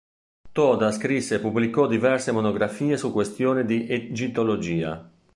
Toda scrisse e pubblicò diverse monografie su questioni di egittologia.